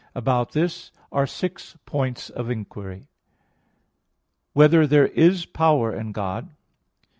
About this are six points of inquiry: (1) Whether there is power in God?